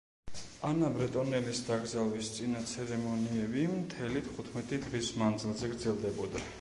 ანა ბრეტონელის დაკრძალვის წინა ცერემონიები მთელი თხუთმეტი დღის მანძილზე გრძელდებოდა.